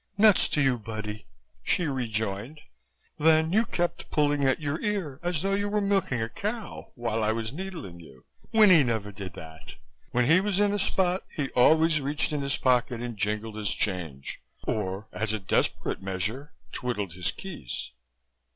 "Nuts to you, Buddy," she rejoined. "Then you kept pulling at your ear as though you were milking a cow, while I was needling you. Winnie never did that. When he was in a spot, he always reached in his pocket and jingled his change or, as a desperate measure, twiddled his keys."